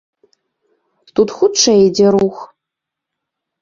Тут хутчэй ідзе рух.